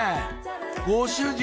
ご主人！